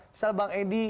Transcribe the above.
misalnya bang edi